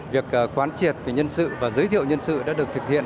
việc quán triệt về nhân sự và giới thiệu nhân sự đã được thực hiện